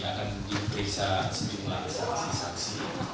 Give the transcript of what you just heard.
akan diperiksa sejumlah saksi saksi